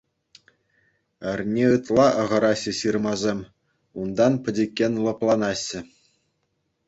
Эрне ытла ахӑраҫҫӗ ҫырмасем, унтан пӗчӗккӗн лӑпланаҫҫӗ.